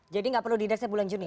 jadi enggak perlu didesak bulan juni